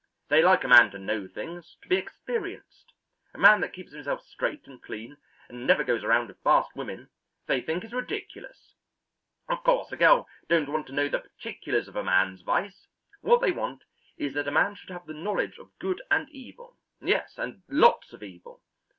They like a man to know things, to be experienced. A man that keeps himself straight and clean and never goes around with fast women, they think is ridiculous. Of course, a girl don't want to know the particulars of a man's vice; what they want is that a man should have the knowledge of good and evil, yes, and lots of evil.